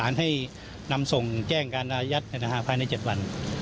ให้นำส่งแจ้งการอายัดภายใน๗วัน